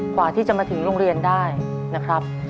กว่าที่จะมาถึงโรงเรียนได้นะครับ